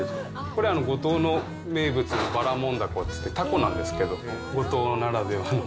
これ、五島の名物のばらもん凧と言って、たこなんですけど、五島ならではの。